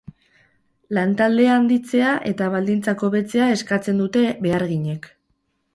Lantaldea handitzea eta baldintzak hobetzea eskatzen dute beharginek.